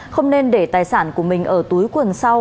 không nên để tài sản của mình ở túi quần sau